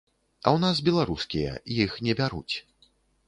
А ў нас беларускія, іх не бяруць.